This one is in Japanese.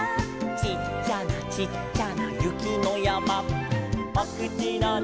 「ちっちゃなちっちゃなゆきのやま」「おくちのなかは」